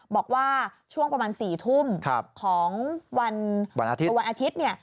บอกว่าช่วงประมาณ๔ทุ่มของวันอาทิตย์